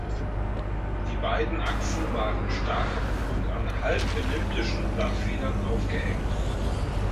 Die beiden Achsen waren starr und an halbelliptischen Blattfedern aufgehängt.